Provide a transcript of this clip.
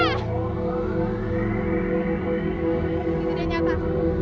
ini tidak nyata